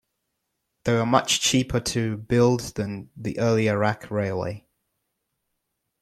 They were much cheaper to build than the earlier rack railway.